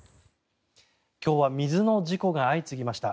今日は水の事故が相次ぎました。